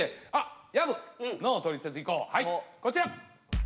はいこちら！